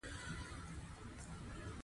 په افغانستان کې کندهار ډېر اهمیت لري.